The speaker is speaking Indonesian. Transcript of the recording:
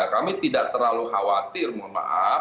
kami tidak terlalu khawatir mohon maaf